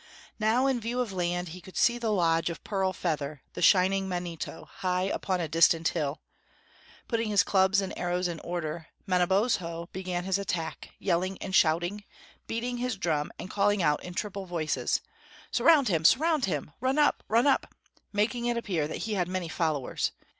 Now in view of land, he could see the lodge of Pearl Feather, the Shining Manito, high upon a distant hill. Putting his clubs and arrows in order, Manabozho began his attack, yelling and shouting, heating his drum, and calling out in triple voices: "Surround him! surround him! run up! run up!" making it appear that he had many followers.